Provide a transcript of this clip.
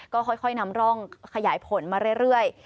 ก็ค่อยนำร่องขยายผลมาเรื่อย